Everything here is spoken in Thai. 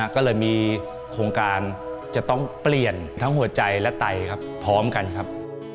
ก็เลยมีโครงการจะต้องเปลี่ยนทั้งหัวใจและไตครับพร้อมกันครับ